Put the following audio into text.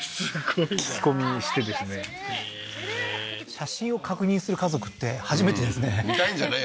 写真を確認する家族って初めてですね見たいんじゃない？